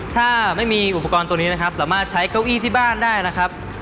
ถ้าไม่มีอุปกรณ์ตัวนี้นะครับสามารถใช้เก้าอี้ที่บ้านได้นะครับ